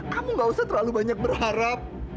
kamu gak usah terlalu banyak berharap